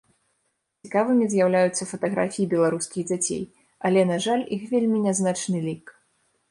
Цікавымі з'яўляюцца фатаграфіі беларускіх дзяцей, але, на жаль, іх вельмі нязначны лік.